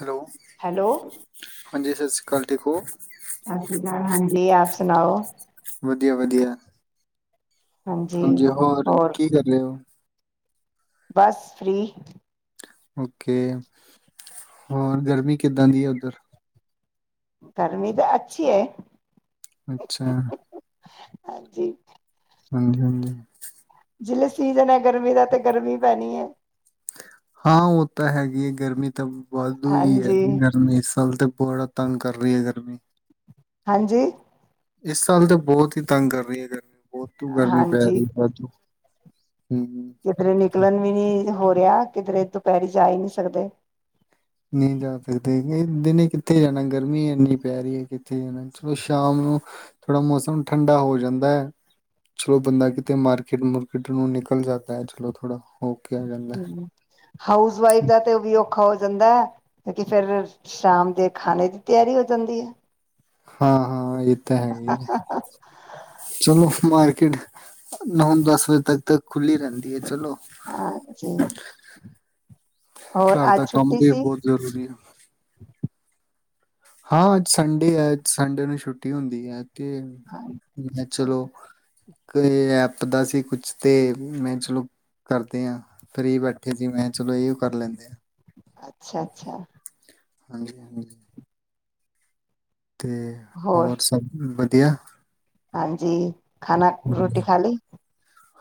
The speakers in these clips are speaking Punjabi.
ਹੈਲੋ ਹੈਲੋ ਹਾਂਜੀ ਸਤਿ ਸ੍ਰੀ ਗੱਲ, ਠੀਕ ਹੋ ਸਤਿ ਸ੍ਰੀ ਅਕਾਲ, ਹਾਂਜੀ, ਆਪ ਸੁਣਾਓ ਵਧੀਆ ਵਧੀਆ ਹਾਂਜੀ ਹੋਰ ਕੀ ਕਰ ਰਹੇ ਹੋ ਬਸ ਫ੍ਰੀ ਔਕੇ, ਹੋਰ ਗਰਮੀ ਕਿੱਦਾਂ ਦੀ ਹੈ ਉੱਧਰ ਗਰਮੀ ਤਾਂ ਅੱਛੀ ਹੈ ਅੱਛਾ ਹਾਂਜੀ ਹਾਂਜੀ, ਹਾਂਜੀ ਜੀਲੇ ਸੀਜ਼ਨ ਹੈ ਗਰਮੀ ਦਾ, ਤੇ ਗਰਮੀ ਪੈਣੀ ਹੈ ਹਾਂ ਉਹ ਤਾਂ ਹੈਗੀ ਹੈ ਗਰਮੀ ਤਾਂ ਵਾਦੂ ਹੀ ਹੈ, ਹਾਂਜੀ ਗਰਮੀ ਇਸ ਸਾਲ ਤੇ ਬਹੁੜ ਤੰਗ ਕਰ ਰਹੀ ਹੈ ਗਰਮੀ ਹਾਂਜੀ ਇਸ ਸਾਲ ਤੇ ਬਹੁਤ ਹੀ ਤੰਗ ਕਰ ਰਹੀ ਹੈ ਗਰਮੀ ਵਾਧੂ ਗਰਮੀ ਪੈ ਹਾਂਜੀ ਰਹੀ ਏ ਵਾਧੂ ਹੂੰ ਕਿਧਰੇ ਨਿਕਲਣ ਵੀ ਨੀ ਹੋ ਰਿਹਾ ਕਿਧਰੇ ਦੁਪਹਿਰੀ ਜਾ ਹੀ ਨਹੀਂ ਸਕਦੇ। ਨਹੀਂ ਜਾ ਸਕਦੇ ਦਿਨੇ ਕਿੱਥੇ ਜਾਣਾ ਗਰਮੀ ਇੰਨੀ ਪੈ ਰਹੀ ਹੈ ਕਿੱਥੇ ਜਾਣਾ ਚਲੋ ਸ਼ਾਮ ਨੂੰ ਥੋੜਾ ਮੌਸਮ ਠੰਡਾ ਹੋ ਜਾਂਦਾ ਹੈ ਚਲੋ ਬੰਦਾ ਕਿਤੇ ਮਾਰਕਿਟ ਮੁਰਕਿਟ ਨੂੰ ਨਿਕਲ ਜਾਂਦਾ ਹੈ ਚਲੋ ਥੋੜਾ ਹੋ ਕੇ ਆ ਜਾਂਦਾ ਹੈ ਹੁੰ, ਹਾਊਸ ਵਾਈਫ ਦਾ ਤੇ ਵੀ ਔਖਾ ਹੋ ਜਾਂਦਾ ਹੈ ਕਿਉਂਕਿ ਫਿਰ ਸ਼ਾਮ ਦੇ ਖਾਣੇ ਦੀ ਤਿਆਰੀ ਹੋ ਜਾਂਦੀ ਹੈ। ਹਾਂ-ਹਾਂ ਇਹ ਤਾਂ ਹੈਗੀ ਆ ਚਲੋ ਮਾਰਕੀਟ ਨੌ ਦਸ ਵਜੇ ਤੱਕ ਖੁੱਲੀ ਰਹਿੰਦੀ ਹੈ ਚਲੋ ਹਾਂਜੀ, ਹੋਰ ਦਾ ਅੱਜ ਕੰਮ ਛੁੱਟੀ ਵੀ ਸੀ। ਬਹੁਤ ਜ਼ਰੂਰੀ ਹੈ ਹਾਂ, ਅੱਜ ਸੰਡੇ ਹੈ ਸੰਡੇ ਨੂੰ ਛੁੱਟੀ ਹੁੰਦੀ ਹੈ। ਤੇ ਅੱਛਾ ਮੈਂ ਚਲੋ। ਐਪ ਦਾ ਸੀ ਕੁਛ ਤੇ ਮੈਂ ਚਲੋ ਕਰਦੇ ਹਾਂ ਫਰੀ ਬੈਠੇ ਸੀ ਮੈਂ ਚਲੋ ਇਹ ਕਰ ਲੈਂਦੇ ਹਾਂ ਅੱਛਾ-ਅੱਛਾ, ਹਾਂਜੀ-ਹਾਂਜੀ, ਤੇ ਹੋਰ ਸਭ ਵਧੀਆ? ਵਧੀਆ, ਹਾਂਜੀ, ਖਾਣਾ, ਰੋਟੀ ਖਾਲੀ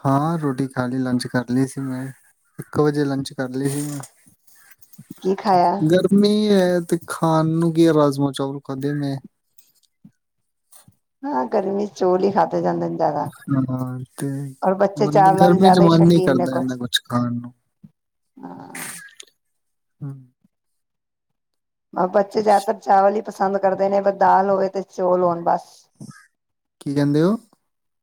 ਹਾਂ, ਰੋਟੀ ਖਾ ਲਈ ਲੰਚ ਕਰ ਲਈ ਸੀ ਮੈਂ ਇੱਕ ਵਜੇ ਲੰਚ ਕਰ ਲਈ ਸੀ ਮੈਂ ਕੀ ਖਾਇਆ ਗਰਮੀ ਹੈ ਤੇ ਖਾਣ ਨੂੰ ਕੀ ਹੈ ਰਾਜਮਾਂ ਚਾਵਲ ਖਾਧੇ ਮੈਂ, ਹਾਂ ਗਰਮੀ ਚੋਲ ਖਾ, ਹਾਂ ਤੇ ਔਰ ਬੱਚੇ ਬ ਚਾਵਲਾਂ ਦੇ ਗਰਮੀ ਚ ਜ਼ਿਆਦਾ ਹੀ ਮਨ ਨੀ ਸ਼ੌਕੀਨ ਨੇ ਕਰਦਾ ਇਨਾ ਕੁਛ ਖਾਣ ਨੂੰ ਹਾਂ [unintelligible] ਹੂੰ, ਮ ਬੱਚੇ ਜਿਆਦਾਤਰ ਚਾਵਲ ਈ, ਪਸੰਦ ਕਰਦੇ ਨੇ ਦਾਲ ਹੋਵੇ ਤੇ ਚੌਲ ਹੋਣ ਬਸ ਕੀ ਕਹਿੰਦੇ ਔ।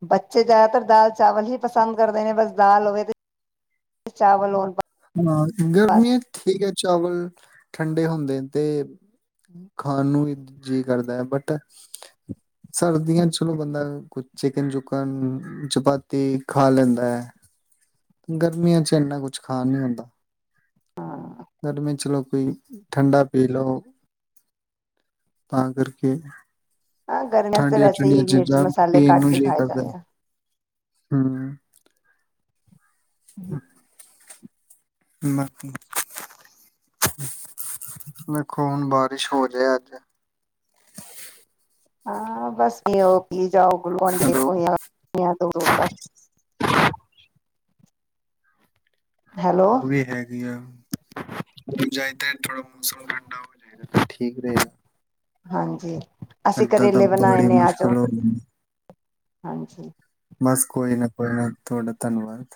ਬੱਚੇ ਜ਼ਿਆਦਾਤਰ ਦਾਲ ਚਾਵਲ ਹੀ ਪਸੰਦ ਕਰਦੇ ਨੇ ਬਸ ਦਾਲ ਹੋਵੇ ਤੇ ਚਾਵਲ ਹੋਣ ਹਾਂ ਬਸ ਗਰਮੀ ਹੈ ਠੀਕ ਹੈ ਚਾਵਲ ਠੰਡੇ ਹੁੰਦੇ ਨੇ ਤੇ ਖਾਣ ਨੂੰ ਵੀ ਜੀਅ ਕਰਦਾ ਹੈ ਬਟ ਸਰਦੀਆਂ ਚਲੋ ਬੰਦਾ ਕੁਛ ਚਿਕਨ ਚੁੱਕਨ ਚਪਾਤੀ ਖਾ ਲੈਂਦਾ ਹੈ। ਗਰਮੀਆਂ ਚ ਇੰਨਾ ਕੁਛ ਖਾਣ ਨੀ ਹੁੰਦਾ। ਹਾਂ ਗਰਮੀਆ ਚ ਲੋਕ, ਕੋਈ ਠੰਡਾ ਪੀ ਲਓ ਤਾਂ ਕਰਕੇ, ਹਾਂ ਗਰਮੀਆਂ ਵੈਸੇ ਠੰਡੀਆਂ-ਠੰਡੀਆਂ ਹੀ ਮਿਰਚ ਚੀਜ਼ਾਂ ਮਸਾਲੇ ਘੱਟ ਹੀ ਖਾਏ ਜਾਦੇ ਐ। ਹਮ ਹਮ [unintelligible] ਦੇਖੋ, ਹੁਣ ਬਾਰਿਸ਼ ਹੋ ਜਾਏ ਅੱਜ। ਹਾਂ, ਬਸ ਇਹ ਉਹ ਕੀ ਜਾਓ ਗੁਲੁਆਂਢੀ ਹੈਲੋ ਇੱਕੋਰ ਦ ਦੂਰ ਤੱਕ ਹਾਂ, ਹੈਲੋ ਉਹ ਵੀ ਹੈਗੀ ਆ। ਜਾਈਦੇ, ਥੋੜਾ ਮੌਸਮ ਠੰਡਾ ਹੋ ਜਾਏਗਾ, ਠੀਕ ਰਹੇਗਾ। ਹਾਂਜੀ। ਅਸੀਂ ਇੱਦਾਂ ਤਾਂ ਕਰੇਲੇ ਬਣਾਏ ਬੜੀ ਨੇ ਆ ਜਾਓ ਮੁਸ਼ਕਿਲ ਹੋ। ਹਾਂਜੀ। ਬਸ ਕੋਈ ਨਾ, ਕੋਈ ਨਾ, ਤੁਹਾਡਾ ਧੰਨਵਾਦ।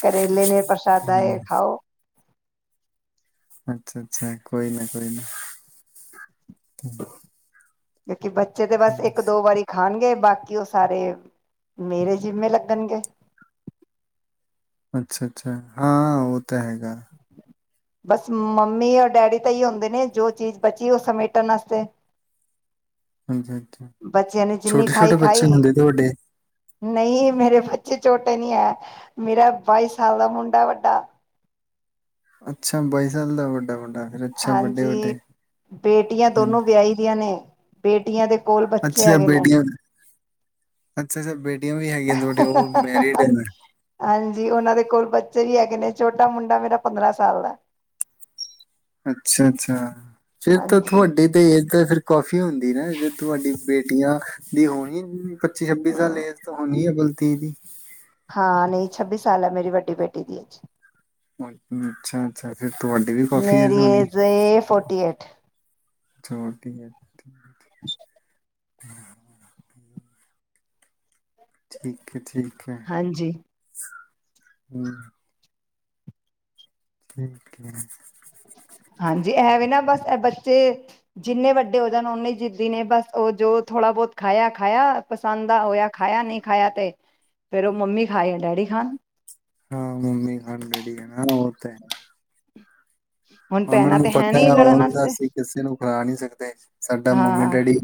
ਕਰੇਲੇ ਨੇ, ਪ੍ਰਸ਼ਾਦ ਹੂੰ ਆਏ ਖਾਓ। ਅੱਛਾ -ਅੱਛਾ, ਕੋਈ ਨਾ ਕੋਈ ਨਾ। ਕਿ ਬੱਚੇ ਤੇ ਬਸ ਇੱਕ ਦੋ ਵਾਰੀ ਖਾਣਗੇ, ਬਾਕੀ ਉਹ ਸਾਰੇ ਮੇਰੇ ਜਿਮੇੱ ਲੱਗਣਗੇ ਅੱਛਾ- ਅੱਛਾ, ਹਾਂ ਉਹ ਤੈ ਹੈਗਾ। ਬਸ ਮੰਮੀ ਔਰ ਡੈਡੀ ਤਾਂ ਹੀ ਹੁੰਦੇ ਨੇ, ਜੋ ਚੀਜ਼ ਬਚੀ ਉਹ ਸਮੇਟਣ ਵਾਸਤੇ। ਅੱਛਾ-ਅੱਛਾ ਬੱਚਿਆਂ ਨੇ ਜਿੰਨੀ ਖਾਈ ਛੋਟੇ-ਛੋਟੇ ਬੱਚੇ -ਖਾਈ, ਹੁੰਦੇ ਤੇ ਵੱਡੇ ਨਹੀਂ ਮੇਰੇੱਚੇ ਚੋਟੇ ਨੀ ਹੈ, ਮੇਰਾ ਬਾਈ ਸਾਲ ਦਾ ਮੁੰਡਾ ਵੱਡਾ। ਅੱਛਾ, ਬਾਈਸਾਲ ਦਾ, ਵੱਡ ਹਾਂਜੀ, ਬੇਟੀਆਂ ਦੋਨੋ ਵਿਆਹੀ ਦੀਆਂ ਨੇ। ਬੇਟੀਆਂ ਦੇ ਕੋਲ ਬੱਚੇ ਅੱਛਾ ਅ ਹੈਗੇ ਨੇ ਬੇਟੀਆਂ ਅੱਛਾ, ਅੱਛਾ ਬੇ ਹਾਂਜੀ, ਉਹਨਾਂ ਦੇ ਕੋਲ ਬੱਚੇ ਵੀ ਹੈਗੇ ਨੇ ਛੋਟਾ ਮੁੰਡਾ ਮੇਰਾ, ਪੰਦਰਾਂ ਸਾਲ ਦਾ ਅੱਛਾ, ਅੱਛਾ। ਫਿਰ ਤਾਂ ਹਾਂਜੀ ਤੁਹਾਡੇ ਤੇ ਤੇ ਫੇਰ ਕਾਫੀ ਹੁੰਦੀ ਨਾ, ਜੇ ਤੁਹਾਡੀ ਬੇਟੀਆਂ ਦੀ ਹੋਣੀ ਜ ਪੱਚੀ -ਛੱਬੀ ਹਾਂ ਸਾਲ ਏਜ ਤੋਂ ਹੋਣੀ ਹੈ ਬ ਦੀਦੀ ਹਾਂ, ਨਹੀਂ ਛੱਬੀ ਸਾਲ ਹੈ ਮੇਰੀ ਵੱਡੀ ਬੇਟੀ ਦੀ ਏਜ। ਅੱਛਾ, ਅੱਛਾ ਫਿਰ ਤੁਹਾਡੀ ਵੀ ਕਾਫੀ ਏਜ ਮੇਰੀ ਹੋਣੀ। ਏ ਫੋਰਟੀ ਏਟ ਛੋਟੀ ਏ ਕਿੰਨੀ ਏ ਹਮ [unintelligible] ਠੀਕ ਐ ਠੀਕ ਹੈ ਹਾਂਜੀ। ਹੂੰ ਠੀਕ ਹੈ। ਹਾਂਜੀ ਇਹਵੇ ਨਾ ਬਸ ਇਹ ਬੱਚੇ ਜਿੰਨੇ ਵੱਡੇ ਹੋ ਜਾਣ ਓਨੇ ਜਿੱਦੀ ਨੇ ਨਾ ਬਸ ਓਜੋ ਧੋੜਾ ਬਹੁਤੇ ਖਾਇਆ, ਖਾਇਆ ਪਸੰਦ ਹੋਇਆ ਖਾਇਆ ਨਹੀਂ ਖਾਇਆ ਤੇ ਫੇਰ ਉਹ ਮੰਮੀ ਖਾਈ ਆ ਡੈਡੀ ਖਾਣ। ਹਾਂ ਮੰਮੀ ਖਾਣ ਡੈਡੀ ਹੈ ਨਾ ਓਂ ਤੇ ਹੁਣ ਉਹਨਾਂ ਭੈਣਾਂ ਨੂੰ ਤੇ ਪਤਾ ਨੀ ਹੈ ਲੜਨ ਹੋਰ ਤਾਂ ਵਾਸਤੇ ਅਸੀਂ ਕਿਸੇ ਨੂੰ ਖਲਾ ਨਹੀਂ ਸਕਦੇ ਸਾਡਾ ਮੰਮੀ ਹਾਂ ਡੈਡੀ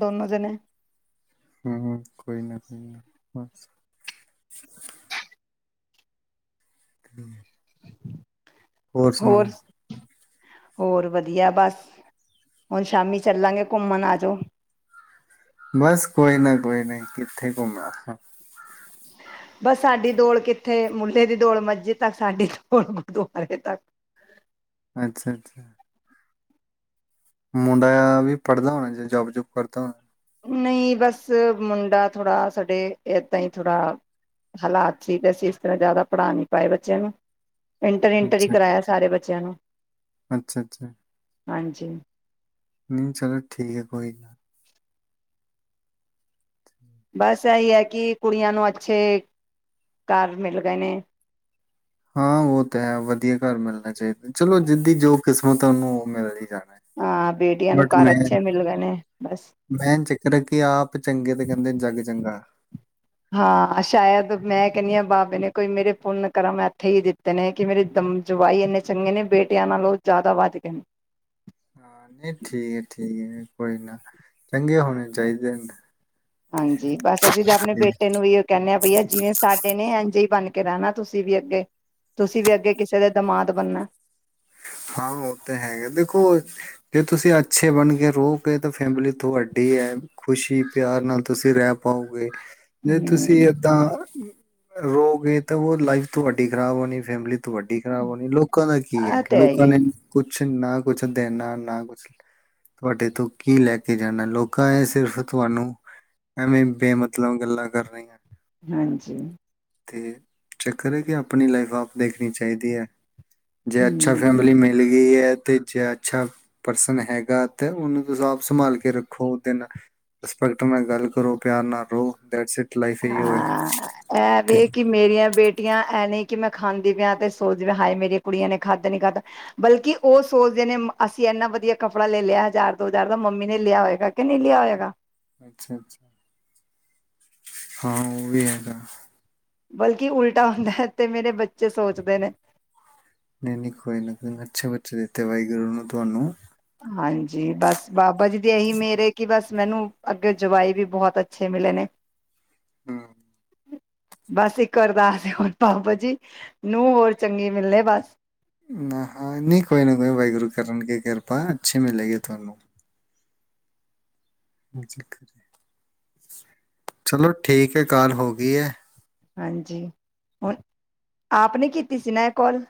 ਦੋਨੋਂ ਜਾਣੇ ਹੂੰ, ਹੂੰ ਕੋਈ ਨਾ ਕੋਈ ਨਾ ਬਸ [unintelligible] ਹੋਰ ਸੁਣਾਓ। ਹੋਰ ਵਧੀਆ ਬਸ ਹੁਣ ਸ਼ਾਮੀ ਚੱਲਾਂਗੇ ਘੁੰਮਣ ਆ ਜੋ। ਬਸ ਕੋਈ ਨਾ ਕੋਈ ਨਾ ਕਿੱਥੇ ਘੁੰਮਣਾ ਬਸ ਸਾਡੀ ਦੌੜ ਕਿੱਥੇ ਮੁੰਡੇ ਦੀ ਦੌਲ ਮੱਜੀ ਤੱਕ ਸਾਡੀ ਦੌੜ ਗੁਰਦੁਆਰੇ ਤੱਕ ਅੱਛਾ, ਅੱਛਾ ਮੁੰਡਾ ਵੀ ਪੜ੍ਹਦਾ ਹੋਣਾ, ਯਾ ਜੋਬ ਜੁਬ ਕਰਦਾ ਹੋਣਾ। ਨਹੀਂ ਬਸ ਮੁੰਡਾ ਥੋੜ੍ਹਾ ਸਾਡੇ ਏਦਾਂ ਹੀ ਥੋੜ੍ਹਾ ਹਾਲਾਤ ਸੀ, ਤੇ ਅਸੀਂ ਇਸ ਤਰ੍ਹਾਂ ਜ਼ਿਆਦਾ ਪੜ੍ਹਾ ਨਹੀਂ ਪਾਏ ਬੱਚਿਆਂ ਨੂੰ ਇੰਟਰ, ਇੰਟਰ ਹੀ ਅੱਛਾ ਕਰਵਾਇਆ ਸਾਰੇ ਬੱਚਿਆਂ ਨੂੰ ਅੱਛਾ, ਅੱਛਾ ਹਾਂਜੀ। ਨਹੀਂ ਚਲੋ ਠੀਕ ਹੈ। ਕੋਈ ਗੱਲ ਬਸ ਇਹੀ ਹੈ, ਕਿ ਕੁੜੀਆਂ ਨੂੰ ਅੱਛੇ ਘਰ ਮਿਲ ਗਏ ਨੇ ਹਾਂ, ਉਹ ਤਾਂ ਹੈ ਵਧੀਆ ਘਰ ਮਿਲਣਾ ਚਾਹੀਦਾ ਚਲੋ ਜਿੱਦੀ ਜੋ ਕਿਸਮਤ ਹੈ ਉਹਨੂੰ ਉਹ ਮਿਲਦੀ ਜਾਣੀ। ਹਾਂ ਬੇਟੀਆਂ ਨੂੰ ਬਟ ਘਰ ਮੈਂ ਅੱਛੇ ਮਿਲ ਗਏ ਨੇ ਬਸ ਮੈਂ ਚਿਕਰ ਕਿ ਆਪ ਚੰਗੇ ਤੇ ਕਹਿੰਦੇ ਜੱਗ ਚੰਗਾ। ਹਾਂ ਸ਼ਾਇਦ ਮੈਂ ਕਹਿੰਦੀ ਹਾਂ ਬਾਬੇ ਨੇ ਕੋਈ ਮੇਰੇ ਪੁੰਨ ਕਰਮ ਇੱਥੇ ਹੀ ਦਿੱਤੇ ਨੇ, ਕਿ ਮੇਰੇ ਦਮ ਜਵਾਈ ਇੰਨੇ ਚੰਗੇ ਨੇ ਬੇਟਿਆਂ ਨਾਲੋਂ ਜ਼ਿਆਦਾ ਵੱਧ ਗਏ ਨੇ ਹਾਂ ਨਹੀਂ ਠੀਕ ਹੈ ਠੀਕ ਹੈ ਕੋਈ ਨਾ ਚੰਗੇ ਹੋਣੇ ਚਾਹੀਦੇ ਨੇ। ਹਾਂਜੀ ਬਸ ਅਸੀਂ ਤਾਂ ਆਪਣੇ ਬੇਟੇ ਨੂੰ ਵੀ ਐਹੀਓ ਕਹਿੰਦੇ ਹਾਂ ਬਈਆ ਜਿਵੇਂ ਸਾਡੇ ਨੇ ਐਜ ਹੀ ਬਣ ਕੇ ਰਹਿਣਾ ਤੁਸੀਂ ਵੀ ਅੱਗੇ ਤੁਸੀਂ ਵੀ ਅੱਗੇ ਕਿਸੇ ਦੇ ਦਮਾਦ ਬਣਨਾ। ਹਾਂ ਉਹ ਤਾਂ ਹੈਗਾ ਦੇਖੋ ਜੇ ਤੁਸੀਂ ਅੱਛੇ ਬਣ ਕੇ ਰਹੋਗੇ ਤਾਂ ਫੈਮਿਲੀ ਤੁਹਾਡੀ ਹੈ ਖੁਸ਼ੀ ਪਿਆਰ ਨਾਲ ਤੁਸੀਂ ਰਹਿ ਪਾਓਗੇ। ਜੇ ਤੁਸੀਂ ਹੂੰ। ਏਦਾਂ ਰੋ ਗਏ ਤਾਂ ਉਹ ਲਾਈਫ ਤੁਹਾਡੀ ਖ਼ਰਾਬ ਹੋਣੀ ਫੈਮਲੀ ਤੁਹਾਡੀ ਖ਼ਰਾਬ ਹੋਣੀ ਲੋਕਾਂ ਦਾ ਕੀ ਆ ਹੈ। ਤੇ ਲੋਕਾਂ ਹੀ ਹੈ ਨੇ ਕੁਛ ਕੁਛ ਨਾ ਕੁਛ ਦੇਣਾ ਨਾ ਕੁਛ ਤੁਹਾਡੇ ਤੋਂ ਕੀ ਲੈ ਕੇ ਜਾਣਾ ਲੋਕਾਂ ਇਹ ਸਿਰਫ਼ ਤੁਹਾਨੂੰ ਐਵੇਂ ਬੇਮਤਲਬ ਗੱਲਾਂ ਕਰਨੀਆ। ਹਾਂਜੀ ਤੇ ਚੱਕਰ ਹੈ ਕਿ ਆਪਣੀ ਲਾਈਫ ਆਪ ਦੇਖਣੀ ਚਾਹੀਦੀ ਹੈ। ਜੇ ਅੱਛਾ ਹੂੰ। ਫੈਮਿਲੀ ਮੀਟ ਮਿਲ ਗਈ ਹੈ ਤੇ ਜੇ ਅੱਛਾ ਪਰਸਨ ਹੈਗਾ ਤੇ ਉਹਨੂੰ ਤੁਸੀਂ ਆਪ ਸੰਭਾਲ ਕੇ ਰੱਖੋ ਉਹਦੇ ਨਾਲ ਰਿਸਪੈਕਟ ਨਾਲ ਗੱਲ ਕਰੋ ਪਿਆਰ ਨਾਲ ਰਹੋ ਦੈਸਇਟ ਹਾਂ ਕਿ ਮੇਰੀਆਂ ਬੇਟੀਆਂ ਐਨ ਕਿ ਮੈਂ ਖਾਂਦੀ ਪਿਆ ਤੇ ਸੋਚਦੇ ਪ ਹਾਏ ਮੇਰੀ ਕੁੜੀਆਂ ਨੇ ਖਾਧਾ ਨੀ ਖਾਧਾ ਬਲਕਿ ਉਹ ਸੋਚਦੇ ਨੇ ਅਸੀਂ ਇੰਨਾ ਵਧੀਆ ਕੱਪੜਾ ਲਿਆ ਹਜ਼ਾਰ ਦੋ ਹਜ਼ਾਰ ਦਾ ਮੰਮੀ ਨੇ ਲਿਆ ਹੋਏਗਾ ਕਿ ਨਹੀਂ ਲਿਆ ਹੋਏਗਾ ਅੱਛਾ ਅੱਛਾ ਹਾਂ ਉਹ ਵੀ ਹੈਗਾ ਬਲਕਿ ਉਲਟਾ ਹੁੰਦਾ ਹੈ ਤੇ ਮੇਰੇ ਬੱਚੇ ਸੋਚਦੇ ਨੇ ਨਹੀਂ ਨਹੀਂ ਕੋਈ ਨਾ ਕੋਈ ਅੱਛੇ ਬੱਚੇ ਦਿੱਤੇ ਵਾਹਿਗੁਰੂ ਨੂੰ ਤੁਹਾਨੂੰ ਹਾਂਜੀ ਬਸ ਬਾਬਾ ਜੀ ਦੀ ਇਹੀ ਮੇਰੇ ਕਿ ਬਸ ਮੈਨੂੰ ਅੱਗੇ ਜਵਾਈ ਵੀ ਬਹੁਤ ਅੱਛੇ ਮਿਲੇ ਨੇ ਹੂੰ ਬਸ ਇੱਕ ਅਰਦਾਸ ਹੋਰ ਬਾਬਾ ਜੀ ਨੂੰਹ ਹੋਰ ਚੰਗੀ ਮਿਲਲੇ ਬਸ ਆ ਹਾਂ ਨਹੀਂ ਕੋਈ ਨਾ ਕੋਈ ਵਾਹਿਗੁਰੂ ਕਰਨਗੇ ਕਿਰਪਾ ਅੱਛੀ ਮਿਲੇਗੀ ਤੁਹਾਨੂੰ ਚਲੋ ਠੀਕ ਹੈ ਕਾਲ ਹੋ ਗਈ ਏ ਹਾਂਜੀ ਹੁਣ ਆਪ ਨੇ ਕੀਤੀ ਸੀ ਨਾ ਇਹ ਕੋਾਲ